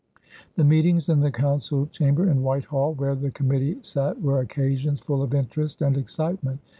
The meetings in the Council Chamber in Whitehall, where the committee sat, were occasions full of interest and excitement.